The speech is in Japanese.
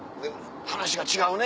話が違うね。